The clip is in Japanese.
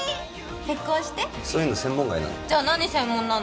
結婚してそういうの専門外なんで何専門なの？